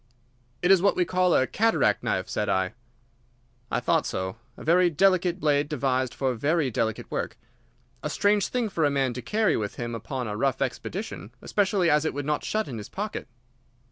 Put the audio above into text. "It is what we call a cataract knife," said I. "I thought so. A very delicate blade devised for very delicate work. A strange thing for a man to carry with him upon a rough expedition, especially as it would not shut in his pocket."